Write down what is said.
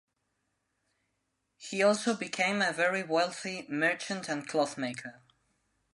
He also became a very wealthy merchant and clothmaker.